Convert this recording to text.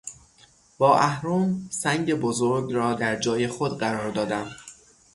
با اهرم سنگ بزرگ را در جای خود قرار دادم.